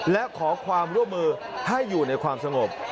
และขอความร่วมมือให้อยู่ในความสงบ